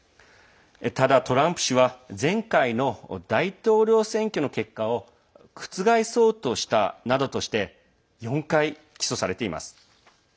ただ、トランプ氏は前回の大統領選挙の結果を覆そうとしたなどとして４回起訴されています。